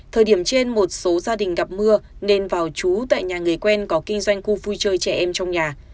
thời điểm trên một số gia đình gặp mưa nên vào trú tại nhà người quen có kinh doanh khu vui chơi trẻ em trong nhà